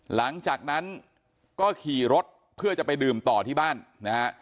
หลังจากนั้นก็ขี่รถเพื่อจะไปดื่มต่อที่บ้านนะฮะ